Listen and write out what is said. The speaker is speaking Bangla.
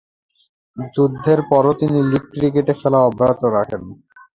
যুদ্ধের পরও তিনি লীগ ক্রিকেটে খেলা অব্যাহত রাখেন।